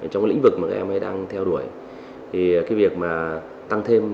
trong lĩnh vực mà các em mới đang theo đuổi thì cái việc mà tăng thêm